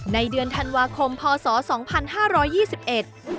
ในเดือนธันวาคมพศ๒๕๒๑